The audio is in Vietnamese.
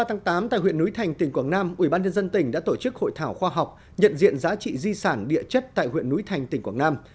hai mươi tám tháng tám tại huyện núi thành tỉnh quảng nam ubnd tỉnh đã tổ chức hội thảo khoa học nhận diện giá trị di sản địa chất tại huyện núi thành tỉnh quảng nam